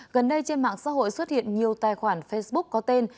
gần đây trên mạng xã hội xuất hiện nhiều tài khoản facebook có tên